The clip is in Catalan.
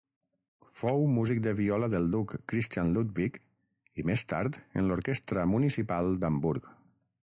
Fou músic de viola del duc Christian Ludwig i més tard en l'orquestra municipal d'Hamburg.